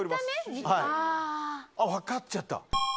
分かっちゃった。